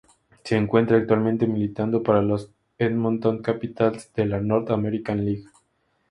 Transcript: Se encuentra actualmente militando para los Edmonton Capitals de la North American League.